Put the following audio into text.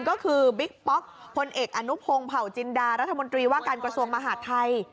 ก็คือบิ๊กป๊อกพลเอกอนุพงศ์เผาจินดารัฐมนตรีว่าการกระทรวงมหาดไทย